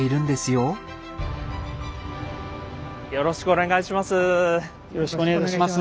よろしくお願いします。